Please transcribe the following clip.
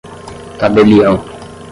tabelião